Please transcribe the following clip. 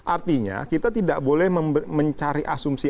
artinya kita tidak boleh mencari asumsi